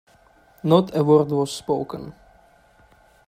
Not a word was spoken.